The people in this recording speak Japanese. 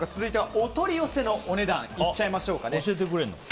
お取り寄せのお値段いっちゃいましょうかね。